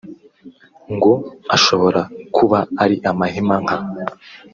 ngo ashobora kuba ari amahima nka